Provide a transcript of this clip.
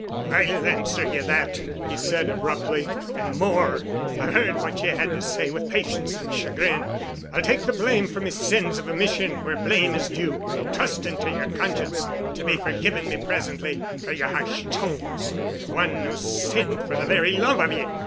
"I'll answer ye that," he said abruptly. "And more. I've heard what ye had to say with patience and chagrin. I'll take the blame for me sins of omission where blame is due, trusting to yer conscience to be forgiving me presently for yer harsh tones to one who sinned for the very love of ye.